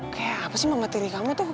kayak apa sih mama tiri kamu tuh kayak gini